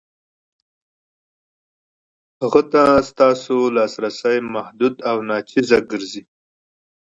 هغو ته ستاسو لاسرسی محدود او ناچیز ګرځي.